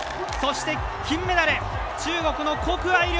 そして、金メダル中国の谷愛